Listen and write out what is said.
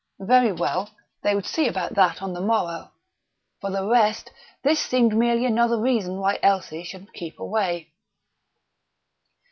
Very well; they would see about that on the morrow.... For the rest, this seemed merely another reason why Elsie should keep away....